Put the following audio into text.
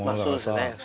そうですよね